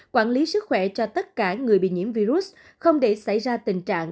quản lý sức khỏe cho tất cả người bị nhiễm virus không để xảy ra tình trạng